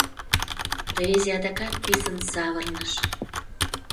Рвезе адакат писын савырныш: